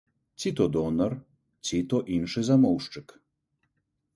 Ці то донар, ці то іншы замоўшчык.